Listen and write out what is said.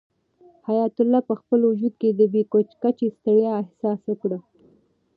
حیات الله په خپل وجود کې د بې کچې ستړیا احساس وکړ.